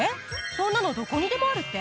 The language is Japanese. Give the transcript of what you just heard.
そんなのどこにでもあるって？